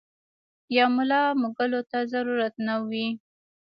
يا ملا مږلو ته ضرورت نۀ وي -